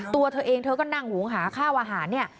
ตัวเธอเองเธอก็นั่งหุงหาข้าวอาหารเนี่ย